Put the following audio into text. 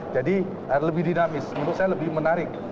jadi lebih dinamis menurut saya lebih menarik